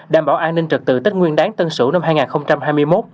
đảm bảo an ninh trực tự tết nguyên đáng tân sủ năm hai nghìn hai mươi một